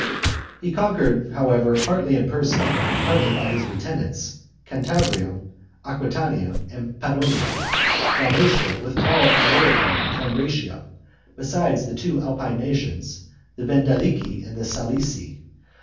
XXI. He conquered, however, partly in person, and partly by his lieutenants, Cantabria , Aquitania and Pannonia , Dalmatia, with all Illyricum and Rhaetia , besides the two Alpine nations, the Vindelici and the Salassii .